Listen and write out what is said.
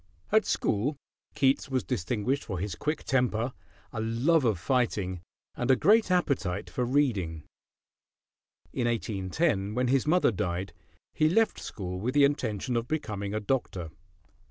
At school Keats was distinguished for his quick temper, a love of fighting, and a great appetite for reading. In 1810, when his mother died, he left school with the intention of becoming a doctor.